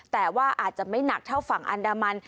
แต่ว่าอาจจะไม่หนักเท่าฝั่งอันดามัน